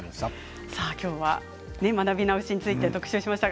今日は学び直しについて特集しました。